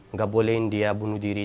nggak boleh dia bunuh diri